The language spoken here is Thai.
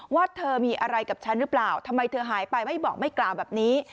ว่าเธอมีอะไรกับฉันหรือเปล่าทำไมเธอหายไปไม่บอกไม่กล่าวแบบนี้